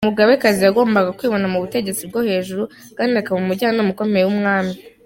Umugabekazi yagombaga kwibona mu butegetsi bwo hejuru, kandi akaba umujyanama ukomeye w’umwami.